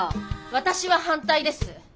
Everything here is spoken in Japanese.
私は反対です。